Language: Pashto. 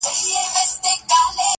چي طوطي ګنجي ته وکتل ګویا سو-